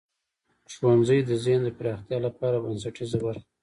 ښوونځی د ذهن د پراختیا لپاره بنسټیزه برخه ده.